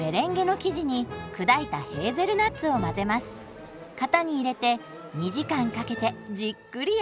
型に入れて２時間かけてじっくり焼き上げます。